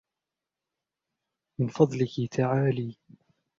من فضلك تعالي.